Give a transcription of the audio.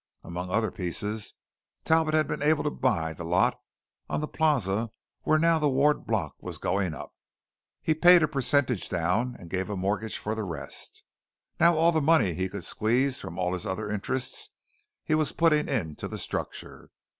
Among other pieces, Talbot had been able to buy the lot on the Plaza where now the Ward Block was going up. He paid a percentage down, and gave a mortgage for the rest. Now all the money he could squeeze from all his other interests he was putting into the structure.